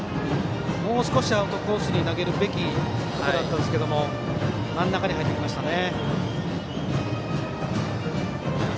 もう少しアウトコースに投げるべきところでしたが真ん中に入ってきましたね。